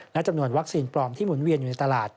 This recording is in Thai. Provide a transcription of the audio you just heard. และจำนวนวัคซีนปลอมที่หมุนเวียนอยู่ในตลาด